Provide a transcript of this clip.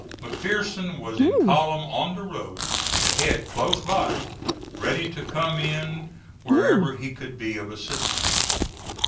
McPherson was in column on the road, the head close by, ready to come in wherever he could be of assistance.